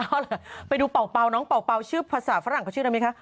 เอาล่ะไปดูเป่าน้องเป่าชื่อภาษาฝรั่งเขาชื่ออะไรไหมคะ